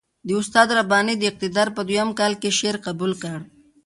د استاد رباني د اقتدار په دویم کال کې شعر یې قبول کړ.